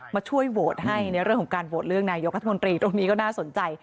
มาช่วยโหวตให้ในเรื่องของการโหวตเลือกนายกรัฐมนตรีตรงนี้ก็น่าสนใจ